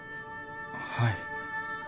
はい。